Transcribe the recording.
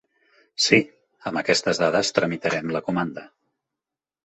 Sí, amb aquestes dades tramitarem la comanda.